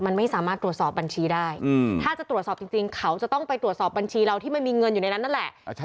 มันไม่สามารถตรวจสอบบัญชีได้ถ้าจะตรวจสอบจริงเขาจะต้องไปตรวจสอบบัญชีเราที่มันมีเงินอยู่ในนั้นนั่นแหละ